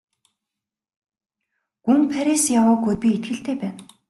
Гүн Парис яваагүйд би итгэлтэй байна.